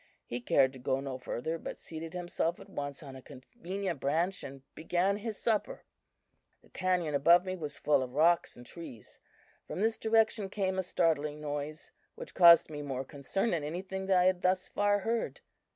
He cared to go no further, but seated himself at once on a convenient branch and began his supper. "The canon above me was full of rocks and trees. From this direction came a startling noise, which caused me more concern than anything I had thus far heard.